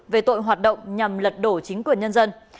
về tội hoạt động nhằm lật đổ chính quyền nhân dân